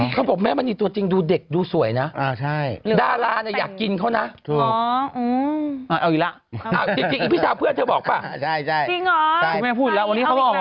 เขาบอกแม่มันีตัวจริงดูเด็กดูสวยนะ